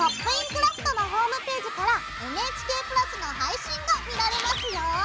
クラフト」のホームページからＮＨＫプラスの配信が見られますよ。